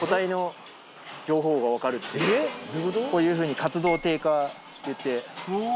こういうふうに活動低下っていって。